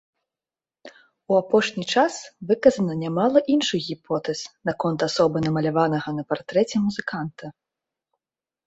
У апошні час выказана нямала іншых гіпотэз наконт асобы намаляванага на партрэце музыканта.